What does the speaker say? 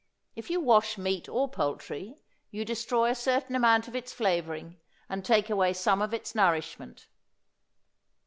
If you wash meat or poultry you destroy a certain amount of its flavoring and take away some of its nourishment.